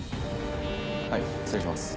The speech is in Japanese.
はい失礼します。